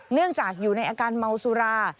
เนื่องจากอยู่ในอาการเมาสุรา